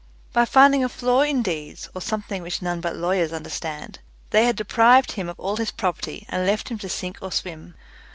By finding a flaw in deeds, or something which none but lawyers understand, they had deprived him of all his property and left him to sink or swim.